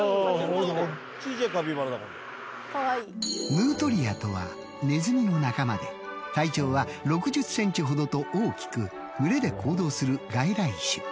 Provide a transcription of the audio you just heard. ヌートリアとはネズミの仲間で体長は６０ｃｍほどと大きく群れで行動する外来種。